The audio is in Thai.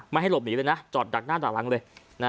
ให้หลบหนีเลยนะจอดดักหน้าด่าหลังเลย